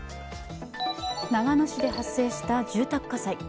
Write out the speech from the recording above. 長野市で発生した住宅火災。